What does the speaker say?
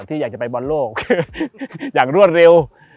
ที่อยากจะไปบอลโลกอย่างรวดเร็ว